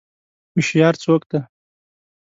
هوشیار څوک دی؟